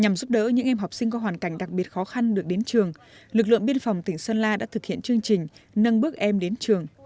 nhằm giúp đỡ những em học sinh có hoàn cảnh đặc biệt khó khăn được đến trường lực lượng biên phòng tỉnh sơn la đã thực hiện chương trình nâng bước em đến trường